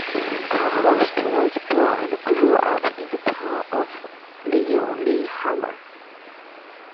Kai Holst was born and grew up in the town of Lillehammer.